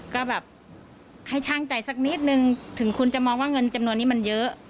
ก็แบบให้ช่างใจสักนิดนึงถึงคุณจะมองว่าเงินจำนวนนี้มันเยอะ